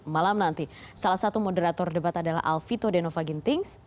malam nanti salah satu moderator debat adalah alvito denova gintings